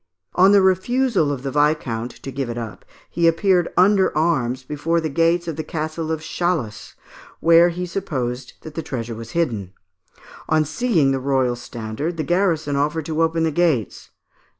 On the refusal of the viscount to give it up he appeared under arms before the gates of the Castle of Chalus, where he supposed that the treasure was hidden. On seeing the royal standard, the garrison offered to open the gates.